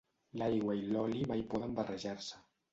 L'aigua i l'oli mai poden barrejar-se.